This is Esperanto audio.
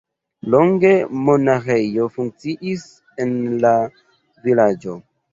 Longe monaĥejo funkciis en la vilaĝo.